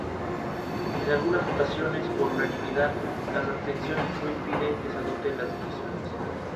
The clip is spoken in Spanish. Bill McKinney nació en Chattanooga, Tennessee.